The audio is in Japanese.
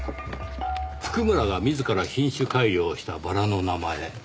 譜久村が自ら品種改良したバラの名前。